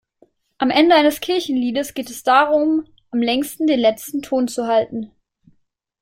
Am Ende eines Kirchenliedes geht es darum, am längsten den letzten Ton zu halten.